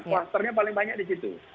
klusternya paling banyak di situ